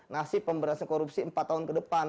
nasib pemberantasan korupsi empat tahun ke depan